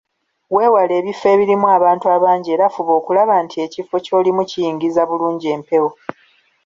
Weewale ebifo ebirimu abantu abangi era fuba okulaba nti ekifo ky’olimu kiyingiza bulungi empewo.